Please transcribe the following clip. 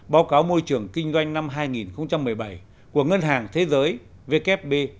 báo cáo môi trường kinh doanh năm hai nghìn một mươi bảy của ngân hàng thế giới vkp